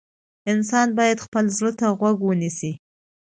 انسان باید خپل زړه ته غوږ ونیسي.